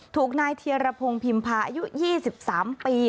ถูกนายเทียรพงศ์พิมพาอายุ๒๓ปี